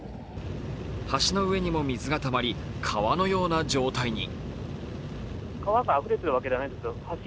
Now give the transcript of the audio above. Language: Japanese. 橋の上にも水がたまり川のような状態に。